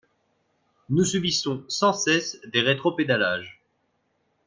Nous subissons sans cesse des rétropédalages.